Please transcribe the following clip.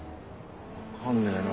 わかんねえな。